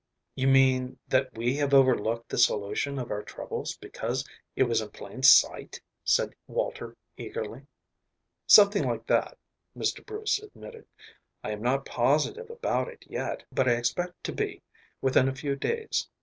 "You mean that we have overlooked the solution of our troubles because it was in plain sight?" said Walter eagerly. "Something like that," Mr. Bruce admitted. "I am not positive about it yet, but I expect to be within a few days.